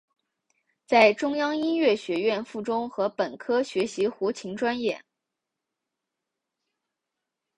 在中央音乐学院附中和本科学习胡琴专业。